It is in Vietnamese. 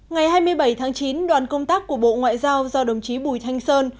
ngày hai mươi bảy tháng chín đoàn công tác của bộ ngoại giao do đồng chí bùi thanh sơn